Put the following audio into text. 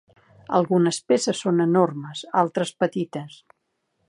Algunes peces són enormes, altres petites.